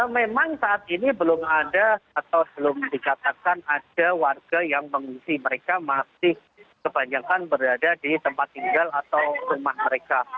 memang saat ini belum ada atau belum dikatakan ada warga yang mengungsi mereka masih kebanyakan berada di tempat tinggal atau rumah mereka